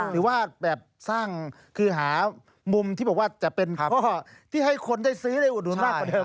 หรือว่าแบบสร้างคือหามุมที่บอกว่าจะเป็นพ่อที่ให้คนได้ซื้อได้อุดหนุนมากกว่าเดิ